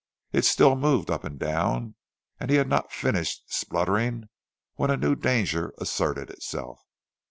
It still moved up and down, and he had not finished spluttering when a new danger asserted itself.